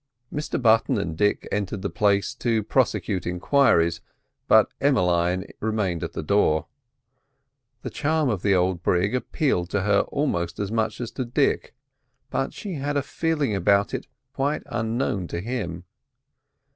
Mr Button and Dick entered the place to prosecute enquiries, but Emmeline remained at the door. The charm of the old brig appealed to her almost as much as to Dick, but she had a feeling about it quite unknown to him.